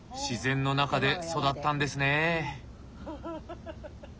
自然の中で育ったんですね。